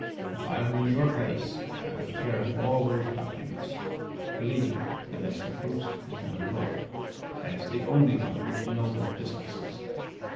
If I were in your place I would tear up all those documents. Believe me, the best of proofs is none at all. That is the only one which nobody discusses."